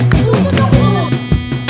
udah udah percaya sama caranya dut dut